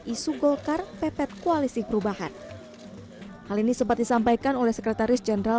isu golkar pepet koalisi perubahan hal ini sempat disampaikan oleh sekretaris jenderal